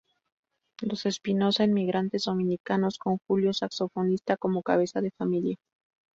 Los Espinosa inmigrantes dominicanos, con Julio, saxofonista, como cabeza de familia.